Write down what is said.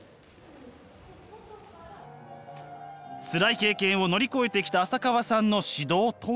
つらい経験を乗り越えてきた浅川さんの指導とは？